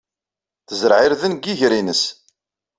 Tezreɛ irden deg yiger-nnes.